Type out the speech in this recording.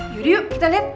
yaudah yuk kita liat